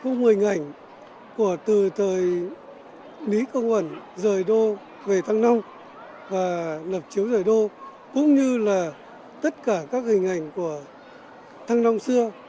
nghĩa công ẩn rời đô về thăng long và lập chiếu rời đô cũng như là tất cả các hình ảnh của thăng long xưa